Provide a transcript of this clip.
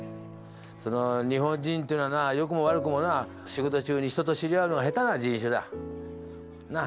その日本人っていうのはなよくも悪くもな仕事中に人と知り合うのが下手な人種だ。なあ。